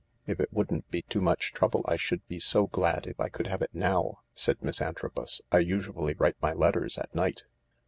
" If it wouldn't be too much trouble I should be so glad if I could have it now/ 9 said Miss Antrobus. " I usually write my letters at night."